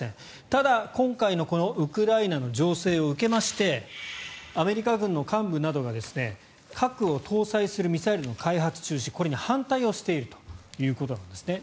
ただ、今回のウクライナの情勢を受けましてアメリカ軍の幹部などが核を搭載するミサイルの開発中止に反対しているということなんですね。